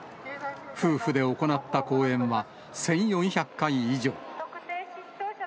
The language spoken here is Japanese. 夫婦で行った講演は、１４００回以上。